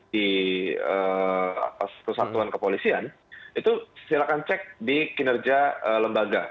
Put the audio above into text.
di kesatuan kepolisian itu silakan cek di kinerja lembaga